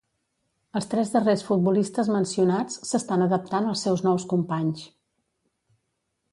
Els tres darrers futbolistes mencionats s'estan adaptant als seus nous companys.